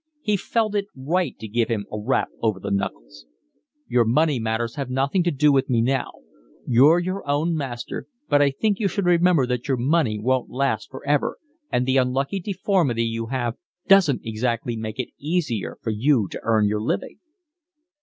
He felt it right to give him a rap over the knuckles. "Your money matters have nothing to do with me now. You're your own master; but I think you should remember that your money won't last for ever, and the unlucky deformity you have doesn't exactly make it easier for you to earn your living."